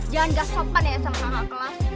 jangan gak sopan ya sama kakak kelas